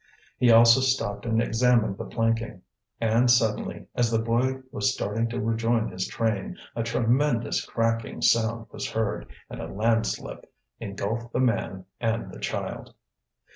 He also stopped and examined the planking. And suddenly, as the boy was starting to rejoin his train, a tremendous cracking sound was heard, and a landslip engulfed the man and the child.